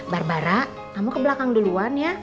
barbara kamu ke belakang duluan ya